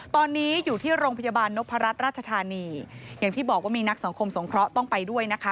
ตอนนี้อยู่ที่โรงพยาบาลนพรัชราชธานีอย่างที่บอกว่ามีนักสังคมสงเคราะห์ต้องไปด้วยนะคะ